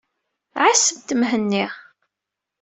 Ɛassemt Mhenni.